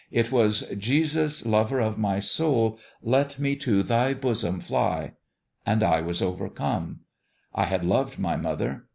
It was, "' Jesus, lover of my soul, Let me to Thy bosom fly ...' and I was overcome. I had loved my mother.